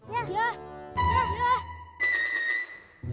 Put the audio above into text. yah yah yah